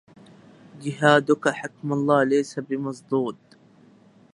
جهادك حكم الله ليس بمصدود